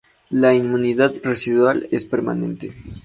La inmunidad residual es permanente.